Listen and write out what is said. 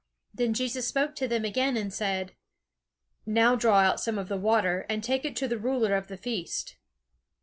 Then Jesus spoke to them again, and said: "Now draw out some of the water, and take it to the ruler of the feast."